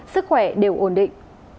sức khỏe đều ổn định